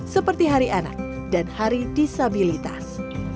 seperti hari anak dan hari disabilitas